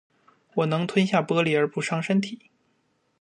我能吞下玻璃而不伤身体